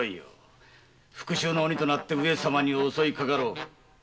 復讐の鬼となって上様に襲いかかろう。